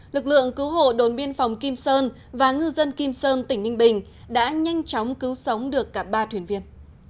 lực lượng cứu hộ đồn biên phòng kim sơn và ngư dân kim sơn tỉnh ninh bình đã nhanh chóng cứu sống được cả ba thuyền viên